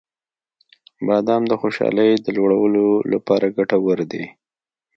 • بادام د خوشحالۍ د لوړولو لپاره ګټور دی.